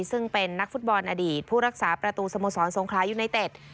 ซึ่งเป็นนักฟุตบอลอดีตผู้รักษาประตูสโมสรสงคลายูไนเต็ด